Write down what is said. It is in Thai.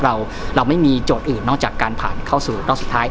เราไม่มีโจทย์อื่นนอกจากการผ่านเข้าสู่รอบสุดท้าย